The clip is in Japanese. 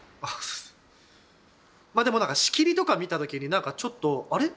まあでも仕切りとか見た時に何かちょっとあれ？